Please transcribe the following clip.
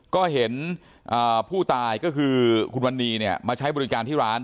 ก็เห็นผู้ตายก็คือคุณวันนี้เนี่ยมาใช้บริการที่ร้าน